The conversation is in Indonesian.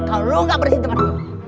kau lu nggak bersih tempat